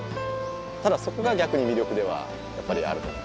ただそこが逆に魅力ではやっぱりあると思いますね。